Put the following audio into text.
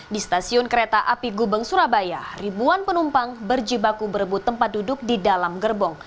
di stasiun kereta api gubeng surabaya ribuan penumpang berjibaku berebut tempat duduk di dalam gerbong